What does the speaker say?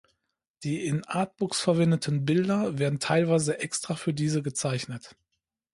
Die in Artbooks verwendeten Bilder werden teilweise extra für diese gezeichnet.